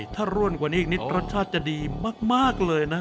ถ้าร่วนกว่านี้อีกนิดรสชาติจะดีมากเลยนะ